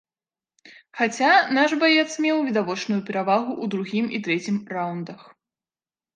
Хаця наш баец меў відавочную перавагу ў другім і трэцім раўндах.